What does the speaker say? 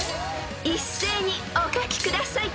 ［一斉にお書きください］